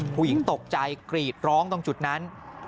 ผู้หญิงตกใจกรีดร้องตรงจุดนั้น